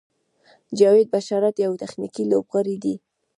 جاوید بشارت یو تخنیکي لوبغاړی دی.